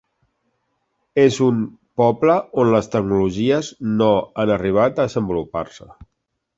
És un poble, on les tecnologies no han arribat a desenvolupar-se.